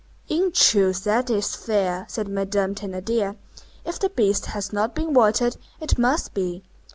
"In truth, that is fair!" said Madame Thénardier, "if the beast has not been watered, it must be."